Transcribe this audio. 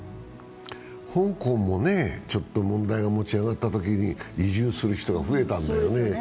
香港も問題が持ち上がったときに移住する人が増えたんだよね。